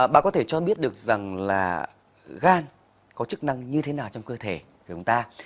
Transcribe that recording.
bà có thể cho biết được rằng là gan có chức năng như thế nào trong cơ thể của chúng ta